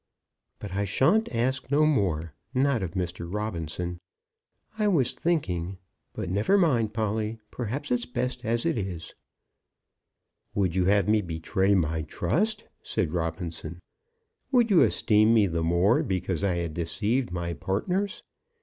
But I shan't ask no more, not of Mr. Robinson. I was thinking . But never mind, Polly. Perhaps it's best as it is." "Would you have me betray my trust?" said Robinson. "Would you esteem me the more because I had deceived my partners?